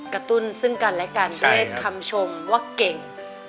ตุ้นซึ่งกันและกันด้วยคำชมว่าเก่ง